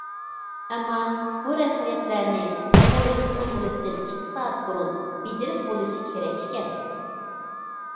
ئەمما، بۇ رەسمىيەتلەرنى پويىز قوزغىلىشتىن ئىككى سائەت بۇرۇن بېجىرىپ بولۇشى كېرەك ئىكەن.